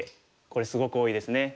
これすごく多いですね。